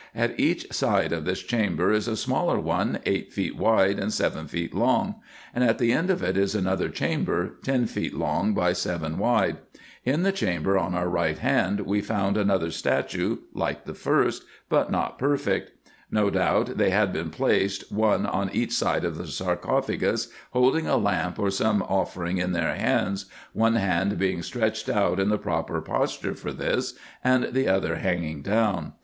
At each side of this chamber is a smaller one, eight feet wide, and seven feet long ; and at the end of it is another chamber, ten feet long by seven wide. In the chamber on our right hand we found another 230 RESEARCHES AND OPERATIONS statue like the first, but not perfect. No doubt they had been placed one on each side of the sarcophagus, holding a lamp or some offering in their hands, one hand being stretched out in the proper posture for this, and the other hanging down.